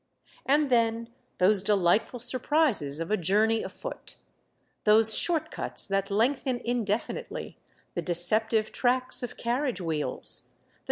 And then those delightful surprises of a journey afoot, — those short cuts that lengthen indefi nitely, the deceptive tracks of carriage wheels, the 1 36 Monday Tales.